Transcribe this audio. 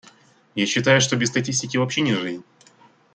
Я считаю, что без статистики вообще не жизнь.